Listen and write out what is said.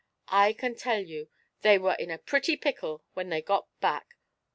I can tell you they were in a pretty pickle when they got back!